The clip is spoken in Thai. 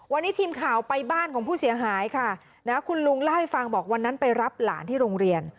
วันนี้ทีมข่าวไปบ้านของผู้เสียหายค่ะนะคุณลุงเล่าให้ฟังบอกวันนั้นไปรับหลานที่โรงเรียน